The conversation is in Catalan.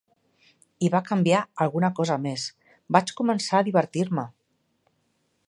I va canviar alguna cosa més: vaig començar a divertir-me!